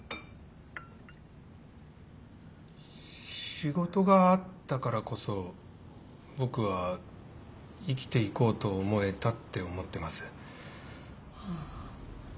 仕事があったからこそ僕は生きていこうと思えたって思ってます。